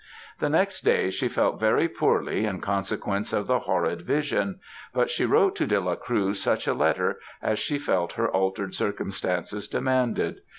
The next day, she felt very poorly in consequence of this horrid vision; but she wrote to De la Cruz such a letter, as she felt her altered circumstances demanded.